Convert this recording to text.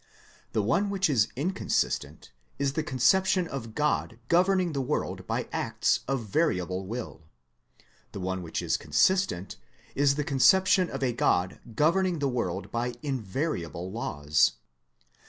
The one which is inconsistent is the conception of a Grod governing the world by acts of variable will. The one which is consistent, is the conception of a God governing the world by invariable laws.